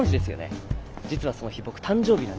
実はその日僕誕生日なんですよ。